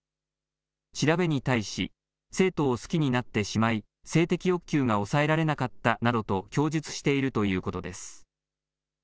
調べに対し生徒を好きになってしまい性的欲求が抑えられなかったなどと供述しているということです。